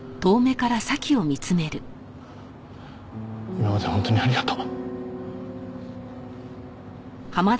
今まで本当にありがとう。